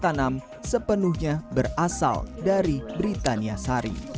seharusnya diperkenalkan oleh perusahaan yang berasal dari britania sari